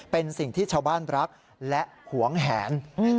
เป็นสิ่งที่ชาวบ้านรักและหวงแหน